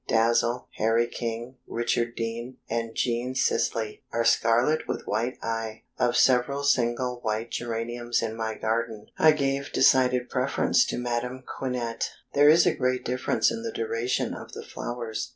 Dazzle, Harry King, Richard Dean, and Jean Sisley are scarlet with white eye. Of several single white geraniums in my garden, I gave decided preference to Madame Quinet. There is a great difference in the duration of the flowers.